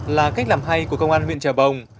là cách làm hay của công an huyện trà bồng